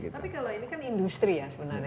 tapi kalau ini kan industri ya sebenarnya